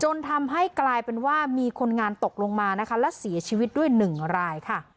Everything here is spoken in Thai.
ทำให้กลายเป็นว่ามีคนงานตกลงมานะคะและเสียชีวิตด้วยหนึ่งรายค่ะ